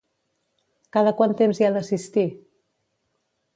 Cada quant temps hi ha d'assistir?